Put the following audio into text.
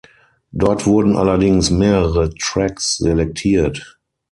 Dort wurden allerdings mehrere Tracks selektiert.